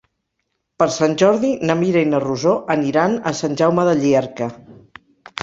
Per Sant Jordi na Mira i na Rosó aniran a Sant Jaume de Llierca.